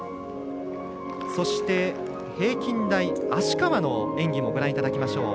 そして、平均台芦川の演技もご覧いただきましょう。